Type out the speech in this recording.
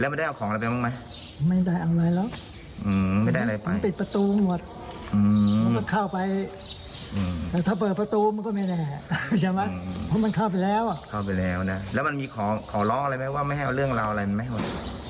บอกว่าจะไปเอาเรื่องเลย